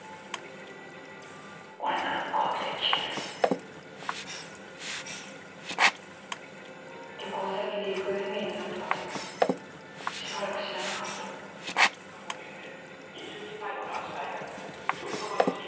俺なら怖くて聞けない旅行先で行方不明になったこともしばらく知らなかった２２歳の男子大学生広沢由樹さんが